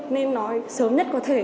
nên nói sớm nhất có thể